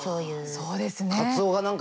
そうですね。